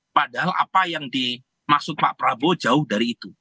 padahal apa yang dimaksud pak prabowo jauh dari itu